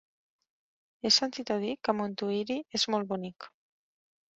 He sentit a dir que Montuïri és molt bonic.